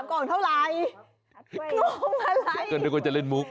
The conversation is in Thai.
งงอะไรคุณไม่ควรจะเล่นมุก